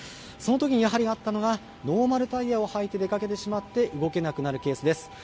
そのときに、やはりあったのがノーマルタイヤをはいて出かけてしまって動けなくなるケースです。